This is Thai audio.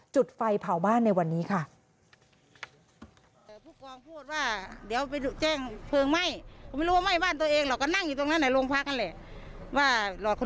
จุดไฟเผาบ้านในวันนี้ค่ะ